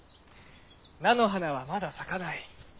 菜の花はまだ咲かない。